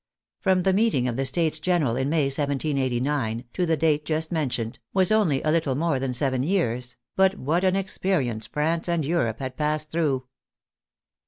From the meeting of the States General in May, 1789, to END OF THE FRENCH REVOLUTION 107 the date just mentioned, was only a little more than seven years, but what an experience France and Europe had passed through.